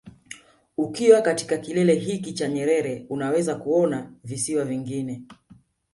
Ukiwa katika kilele hiki cha Nyerere unaweza kuona visiwa vingine